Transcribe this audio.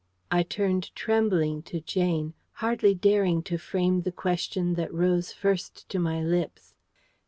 I turned trembling to Jane, hardly daring to frame the question that rose first to my lips.